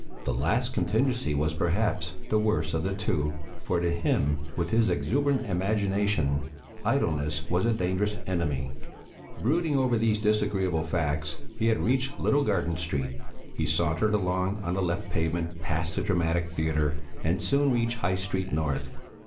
The last contingency was, perhaps, the worse of the two, for to him, with his exuberant imagination, idleness was a dangerous enemy. Brooding over these disagreeable facts, he had reached Little Garden Street; he sauntered along, on the left pavement, passed the Dramatic Theatre, and soon reached High Street North.